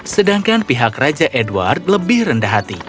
sedangkan pihak raja edward lebih rendah hati